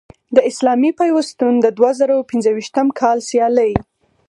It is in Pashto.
د اسلامي پیوستون د دوه زره پنځویشتم کال سیالۍ